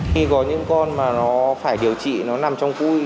khi có những con mà nó phải điều trị nó nằm trong vui